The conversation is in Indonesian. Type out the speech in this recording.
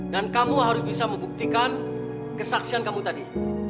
kamu harus bisa membuktikan kesaksian kamu tadi